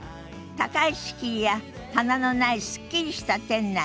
高い敷居や棚のないすっきりした店内。